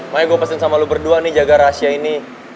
maya gua pesen sama lu berdua nih jaga rahasia ini